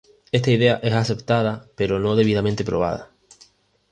Esta idea es aceptada, pero no debidamente probada.